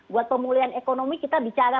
buat pemulihan ekonomi kita bicara